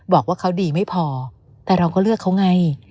บอกว่าเขาดีไม่พอแต่เราก็เลือกเขาไง